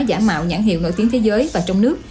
giả mạo nhãn hiệu nổi tiếng thế giới và trong nước